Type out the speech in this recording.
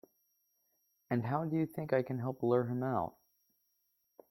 And how do you think I can help lure him out?